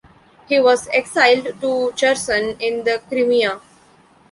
He was exiled to Cherson in the Crimea.